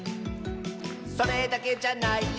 「それだけじゃないよ」